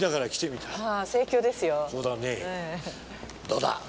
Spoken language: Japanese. どうだ？